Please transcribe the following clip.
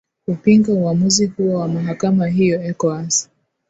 upinga uamuzi huo wa mahakama hiyo ecowas